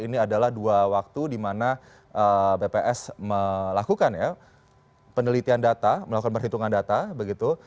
ini adalah dua waktu di mana bps melakukan ya penelitian data melakukan perhitungan data begitu